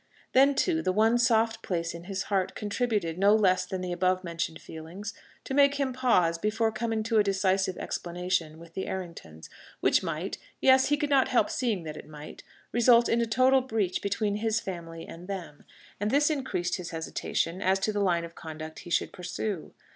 Then, too, the one soft place in his heart contributed, no less than the above mentioned feelings, to make him pause before coming to a decisive explanation with the Erringtons, which might yes, he could not help seeing that it might result in a total breach between his family and them, and this increased his hesitation as to the line of conduct he should pursue.